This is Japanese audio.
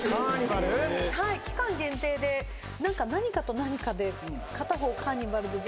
はい期間限定で何か何かと何かで片方カーニバル！